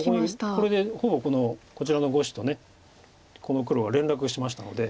これでほぼこのこちらの５子とこの黒が連絡しましたので。